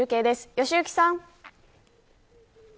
良幸さん。